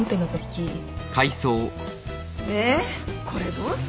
えっこれどうする？